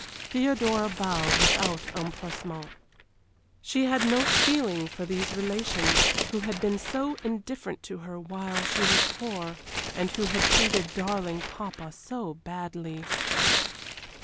Theodora bowed without empressement. She had no feeling for these relations who had been so indifferent to her while she was poor and who had treated darling papa so badly.